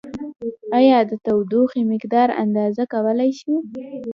ایا د تودوخې مقدار اندازه کولای شو؟